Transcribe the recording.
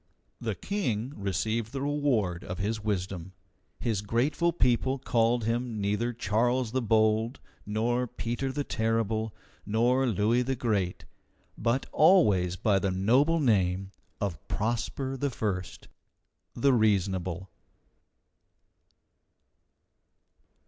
The King received the reward of his wisdom. His grateful people called him neither Charles the Bold, nor Peter the Terrible, nor Louis the Great, but always by the noble name of Prosper I, the Reasonable.